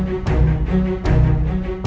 sepertinya aku harus ganti kulit